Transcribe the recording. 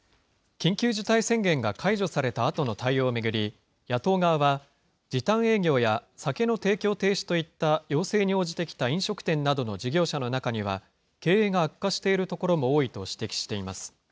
緊急事態宣言が解除されたあとの対応を巡り、野党側は、時短営業や酒の提供停止といった要請に応じてきた飲食店などの事業者の中には、経営が悪化しているところも多いと指摘しています。